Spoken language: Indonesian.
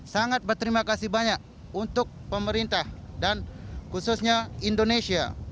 sangat berterima kasih banyak untuk pemerintah dan khususnya indonesia